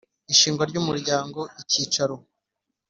Ishingwa ry umuryango icyicaro